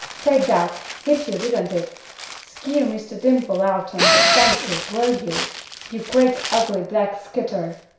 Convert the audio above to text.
"Take dat. Hit yuh, didn't it? Skeer Miss Dimple outen her senses, will yuh? Yuh gre't, ugly black crittur!"